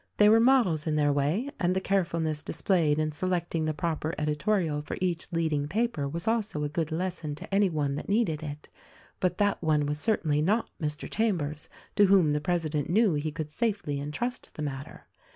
They were models in their wav ; and the care fulness displayed in selecting the proper editorial for each leading paper was also a good lesson to any one that needed it— but that one was certainly not Mr. Chambers, to whom the president knew he could safely entrust the matter.